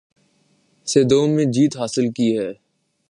سے دو میں جیت حاصل کی ہے